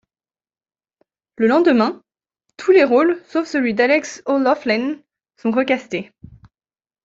Le lendemain, tous les rôles sauf celui de Alex O'Loughlin sont recastés.